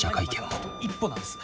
あと一歩なんです。